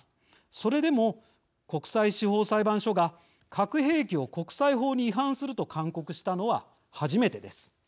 それでも国際司法裁判所が核兵器を国際法に違反すると勧告したのは、初めてです。